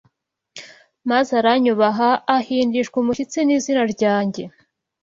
maze aranyubaha, ahindishwa umushitsi n’izina ryanjye